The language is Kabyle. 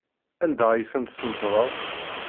Anda ay ten-tesneṭḍeḍ?